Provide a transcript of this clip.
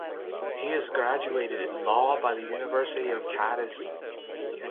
He is graduated in law by the University of Cadiz.